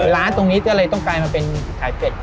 ร้านตรงนี้ก็เลยต้องกลายมาเป็นขายเป็ด